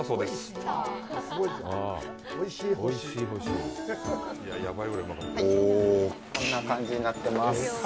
はい、こんな感じになってます。